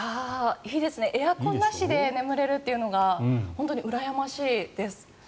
エアコンなしで眠れるというのが本当にうらやましいです。